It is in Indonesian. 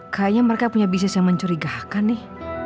kayaknya mereka punya bisnis yang mencurigakan nih